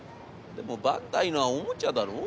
『でもバンダイのおもちゃだろ？